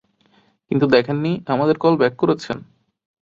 কিন্তু দেখেননি, আমাদের কল ব্যাক করেছেন।